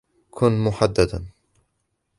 كُن محدداً.